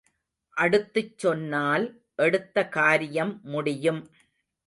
அடுத்துச் சொன்னால் எடுத்த காரியம் முடியும்.